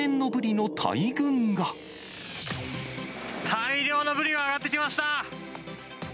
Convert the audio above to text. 大量のブリがあがってきました。